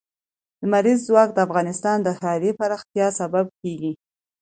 لمریز ځواک د افغانستان د ښاري پراختیا سبب کېږي.